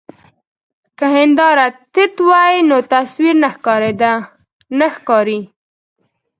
که هنداره تت وي نو تصویر نه ښکاري.